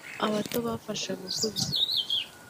abato bafashe abakuze